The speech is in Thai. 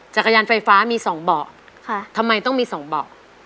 จักรยานไฟฟ้ามีสองเบาะทำไมต้องมีสองเบาะ